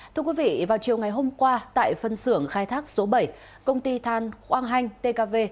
thưa quý vị vào chiều ngày hôm qua tại phân xưởng khai thác số bảy công ty than khoang hanh tkv